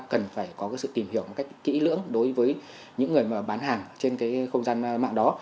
cần phải có sự tìm hiểu một cách kỹ lưỡng đối với những người mà bán hàng trên cái không gian mạng đó